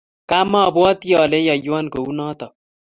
Kamwabati ale iyaywon kou notok